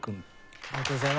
ありがとうございます。